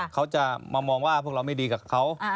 เขาจะมามองว่าพวกเราไม่ดีกับเขา